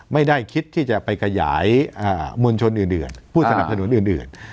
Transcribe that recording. ไม่ได้คิดที่จะไปขยายมวลชนอื่นผู้สนับสนุนอื่น